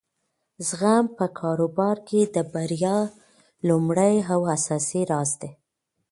زغم په کاروبار کې د بریا لومړی او اساسي راز دی.